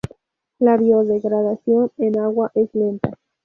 La biodegradación en agua es lenta.